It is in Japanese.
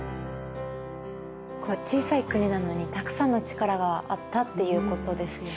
小さい国なのにたくさんの力があったっていうことですよね。